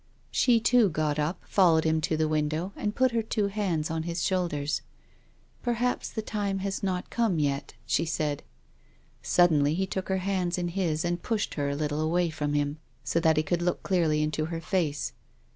She, too, got up, followed him to the window and put her two hands on his shoulders. Perhaps the time has not come yet," she said. Suddenly he took her hands in his and pushed her a little way from him, so that he could look clearly into her face.